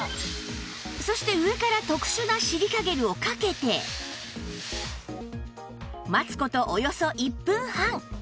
そして上から特殊なシリカゲルをかけて待つ事およそ１分半